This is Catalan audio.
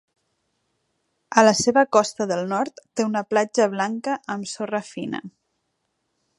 A la seva costa del nord, té una platja blanca amb sorra fina.